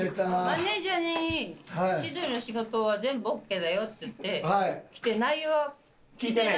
マネジャーに千鳥の仕事は全部オッケーだよって言って来て内容は聞いてない。